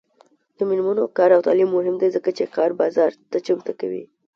د میرمنو کار او تعلیم مهم دی ځکه چې کار بازار ته چمتو کوي.